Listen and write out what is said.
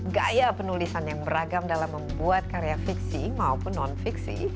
gaya penulisan yang beragam dalam membuat karya fiksi maupun non fiksi